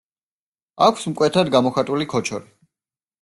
აქვს მკვეთრად გამოხატული ქოჩორი.